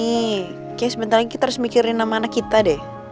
oke sebentar lagi kita harus mikirin nama anak kita deh